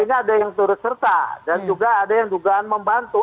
ini ada yang turut serta dan juga ada yang dugaan membantu